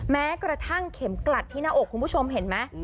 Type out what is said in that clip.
แม้กระทั่งเข็มกลัดที่หน้าอกคุณผู้ชมเห็นไหม